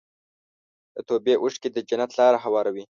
د توبې اوښکې د جنت لاره هواروي.